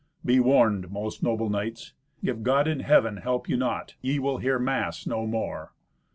Be warned, most noble knights. If God in Heaven help you not, ye will hear mass no more."